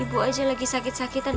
ibu aja lagi sakit sakitan